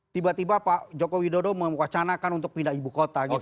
tiba tiba pak joko widodo mewacanakan untuk pindah ibu kota